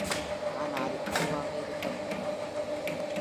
ஆனால் அதுவாக இருக்கக்கூடாது.